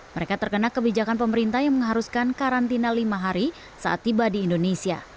mereka terkena kebijakan pemerintah yang mengharuskan karantina lima hari saat tiba di indonesia